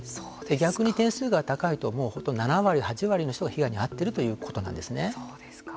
逆に点数が高いと７割８割の人が被害に遭っているということなんですね。